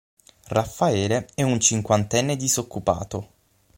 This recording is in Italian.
Raffaele è un cinquantenne disoccupato.